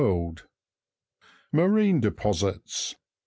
MARINE DEPOSITS.